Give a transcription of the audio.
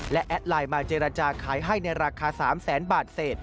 และแอดไลน์มาเจรจาขายให้ในราคา๓แสนบาทเศษ